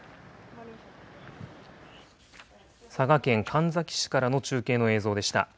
佐賀県神埼市からの中継の映像でした。